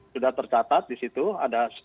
sudah tercatat di situ ada